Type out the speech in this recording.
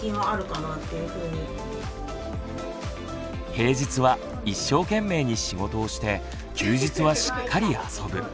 平日は一生懸命に仕事をして休日はしっかり遊ぶ。